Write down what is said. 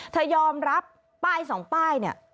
เธอยอมรับป้ายสองป้ายเนี่ย